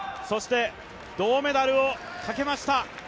銅メダルをかけました。